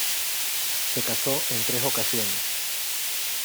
Se casó en tres ocasiones.